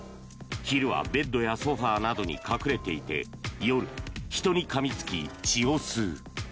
昼はベッドやソファなどに隠れていて夜、人にかみつき血を吸う。